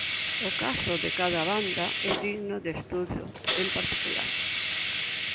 O caso de cada banda é digno de estudo en particular.